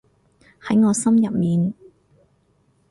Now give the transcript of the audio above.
喺我心入面